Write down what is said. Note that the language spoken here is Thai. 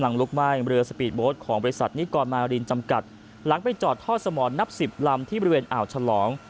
ลำไปจอดท็อตสมอนที่บริเวณอ่าวชะหรอง